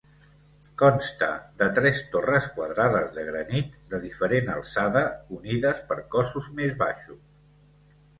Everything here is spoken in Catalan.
Consta de tres torres quadrades de granit de diferent alçada unides per cossos més baixos.